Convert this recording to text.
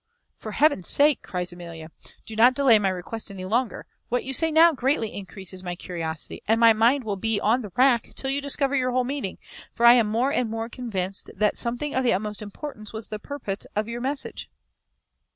"For Heaven's sake," cries Amelia, "do not delay my request any longer; what you say now greatly increases my curiosity, and my mind will be on the rack till you discover your whole meaning; for I am more and more convinced that something of the utmost importance was the purport of your message."